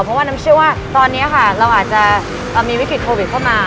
เพราะว่าน้ำเชื่อว่าตอนนี้ค่ะเราอาจจะมีวิกฤตโควิดเข้ามา